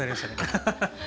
ハハハハ。